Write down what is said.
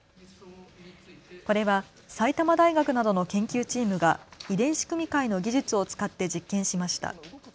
これは埼玉大学などの研究チームが遺伝子組み換えの技術を使って実験しました。